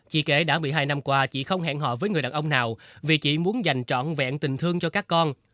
chị kể đã một mươi hai năm qua chị không hẹn họ với người đàn ông nào vì chị muốn dành trọn vẹn tình thương cho các con